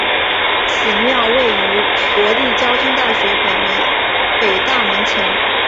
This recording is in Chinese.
此庙位于国立交通大学北大门前。